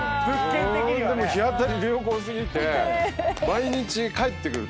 でも日当たり良好過ぎて毎日帰ってくると。